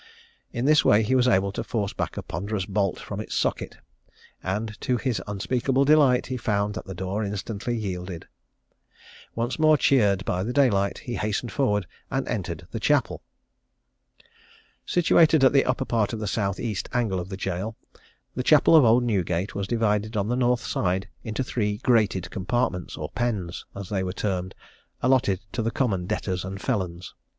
In this way he was able to force back a ponderous bolt from its socket; and to his unspeakable delight, found that the door instantly yielded. Once more cheered by daylight, he hastened forward and entered the Chapel. "Situated at the upper part of the south east angle of the gaol, the Chapel of Old Newgate was divided on the north side into three grated compartments, or pens, as they were termed, allotted to the common debtors and felons.